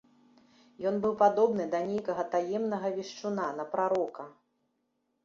Ён быў падобны да нейкага таемнага вешчуна, на прарока.